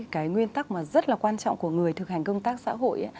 cái nguyên tắc mà rất là quan trọng của người thực hành công tác xã hội